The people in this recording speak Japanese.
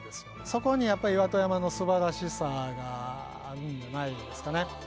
そこにやっぱり岩戸山のすばらしさがあるんじゃないですかね。